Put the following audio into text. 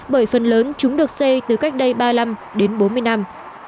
bởi phần lớn chúng được xây từ cách đây ba mươi năm đến bốn mươi năm